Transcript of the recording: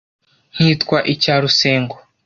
Nkitwa icya Rusengo.